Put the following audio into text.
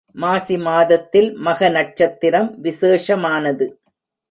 மாசி மாதத்தில் மக நட்சத்திரம் விசேஷமானது.